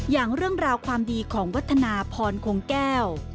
อย่างเรื่องราวความดีของวัฒนาพรคงแก้ว